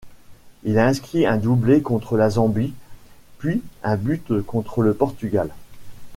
Il inscrit un doublé contre la Zambie, puis un but contre le Portugal.